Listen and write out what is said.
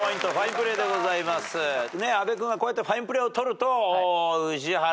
阿部君はこうやってファインプレーをとると。